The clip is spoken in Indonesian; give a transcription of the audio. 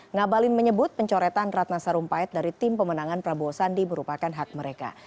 ngabalin menyebut pencoretan ratna sarumpait dari tim pemenangan prabowo sandi merupakan hak mereka